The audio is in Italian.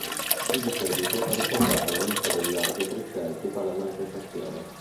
Qui di seguito è riportata la lista degli arbitri scelti per la manifestazione.